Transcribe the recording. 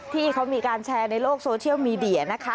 ที่เขามีการแชร์ในโลกโซเชียลมีเดียนะคะ